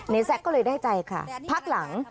ไนนซักก็เลยได้ใจค่ะ